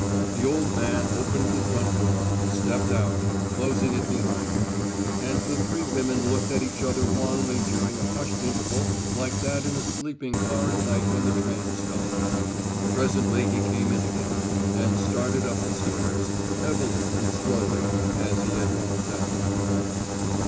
The old man opened the front door, stepped out, closing it behind him; and the three women looked at each other wanly during a hushed interval like that in a sleeping car at night when the train stops. Presently he came in again, and started up the stairs, heavily and slowly, as he had gone down.